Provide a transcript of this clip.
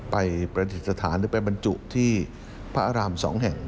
ไปประดิษฐานหรือไปบรรจุที่พระอาราม๒แห่ง